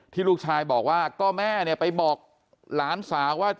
ลูกชายบอกว่าก็แม่เนี่ยไปบอกหลานสาวว่า